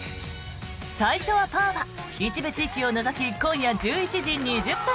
「最初はパー」は一部地域を除き今夜１１時２０分。